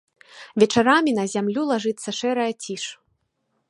Вечарамі на зямлю лажыцца шэрая ціш.